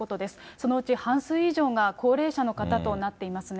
そのうち半数以上が高齢者の方となっていますね。